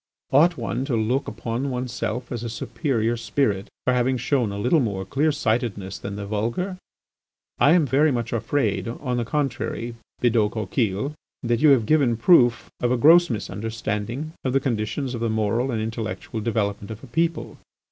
Ought one to look upon oneself as a superior spirit for having shown a little more clear sightedness than the vulgar? I am very much afraid, on the contrary, Bidault Coquille, that you have given proof of a gross misunderstanding of the conditions of the moral and intellectual development of a people.